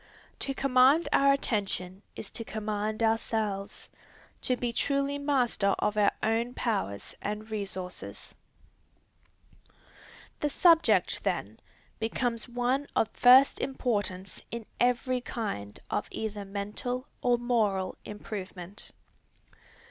To command our attention is to command ourselves, to be truly master of our own powers and resources. The subject, then, becomes one of first importance in every kind of either mental or moral improvement.